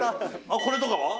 「これとかは？」